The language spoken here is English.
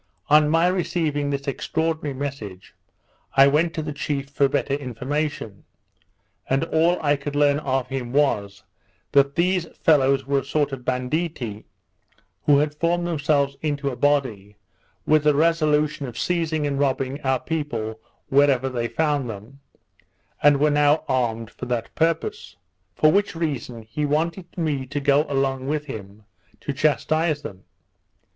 On my receiving this extraordinary message, I went to the chief for better information; and all I could learn of him was, that these fellows were a sort of banditti, who had formed themselves into a body, with a resolution of seizing and robbing our people wherever they found them, and were now armed for that purpose: For which reason he wanted me to go along with him, to chastise them.